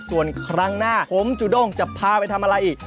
ส่วนครั้งหน้าผมจุด้งจะพาไปทำอะไรอีก